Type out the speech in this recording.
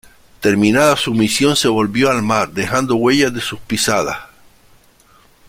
Terminada su misión se volvió al mar, dejando huellas de sus pisadas.